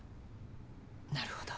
なるほど。